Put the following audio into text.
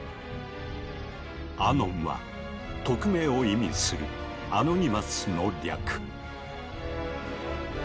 「アノン」は匿名を意味する「アノニマス」の略。